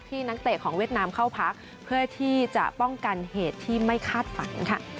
นักเตะของเวียดนามเข้าพักเพื่อที่จะป้องกันเหตุที่ไม่คาดฝันค่ะ